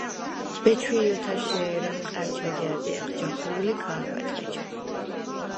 ბეჩვი̄ ოთარშე̄რემ ყა̈რჩათე ადჲეხ ჯახუ̄ლ ი ქა̄ჰვედხ ეჩე.